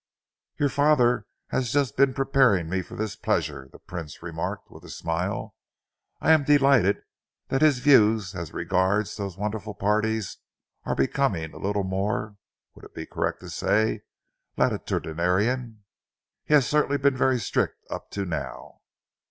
"Your father has just been preparing me for this pleasure," the Prince remarked, with a smile. "I am delighted that his views as regards these wonderful parties are becoming a little more would it be correct to say latitudinarian? He has certainly been very strict up to now."